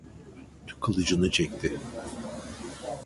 Kılıcını çekti!